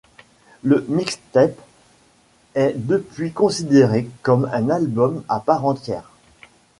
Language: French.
La mixtape est depuis considérée comme un album à part entière.